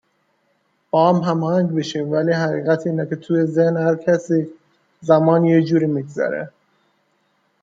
باهم هماهنگ بشیم ولی حقیقت اینه که توی ذهن هرکسی، زمان یه جوری میگذره